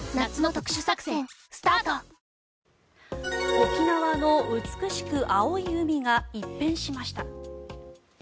沖縄の美しく青い海が一変しました。